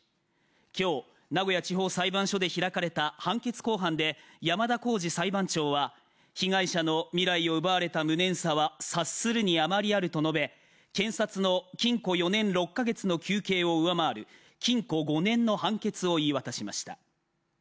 きょう名古屋地方裁判所で開かれた判決公判で山田耕司裁判長は被害者の未来を奪われた無念さは察するに余りあると述べ検察の禁錮４年６か月の求刑を上回る禁錮５年の判決を言い渡しました